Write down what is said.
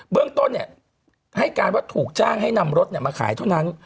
เรื่องต้นให้การว่าถูกจ้างให้นำรถมาขายเท่านั้น